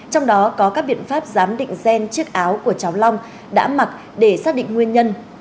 trong đó có các biện pháp giám định gen chiếc áo của cháu long đã mặc để xác định nguyên nhân